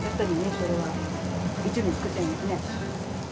それは一度に作っちゃいますね。